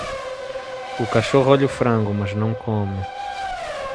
O cachorro olha o frango, mas não come